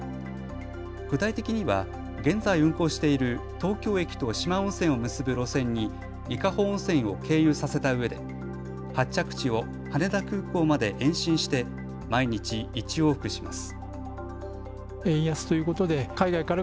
具体的には現在運行している東京駅と四万温泉を結ぶ路線に伊香保温泉を経由させたうえで発着地を羽田空港まで延伸して毎日１往復します。